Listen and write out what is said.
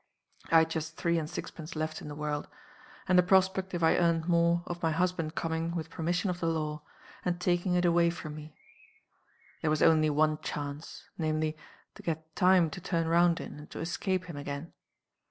I had just three and sixpence left in the world and the prospect, if I earned more, of my husband coming (with permission of the law) and taking it away from me. There was only one chance namely, to get time to turn round in, and to escape him again.